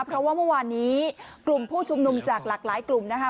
เพราะว่าเมื่อวานนี้กลุ่มผู้ชุมนุมจากหลากหลายกลุ่มนะคะ